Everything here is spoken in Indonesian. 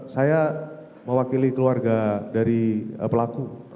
saya mewakili keluarga dari pelaku